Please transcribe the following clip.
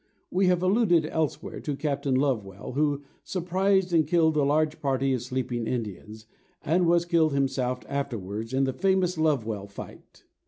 We have alluded elsewhere to Captain Lovewell, who surprised and killed a large party of sleeping Indians, and was killed himself afterwards, in the famous "Lovewell fight."